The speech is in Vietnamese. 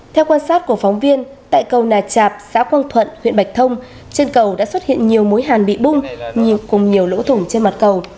theo quan sát của phóng viên tại cầu nà chạp xã quang thuận huyện bạch thông trên cầu đã xuất hiện nhiều mối hàn bị bung cùng nhiều lỗ thủng trên mặt cầu